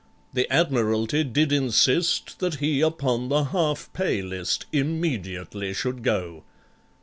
The Admiralty did insist That he upon the Half pay List Immediately should go.